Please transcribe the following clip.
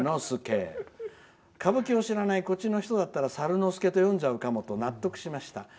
歌舞伎を知らないこっちの人だったらさるのすけと読んじゃうかもと納得しました。